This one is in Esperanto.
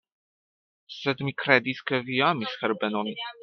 Sed mi kredis, ke vi amis Herbenon.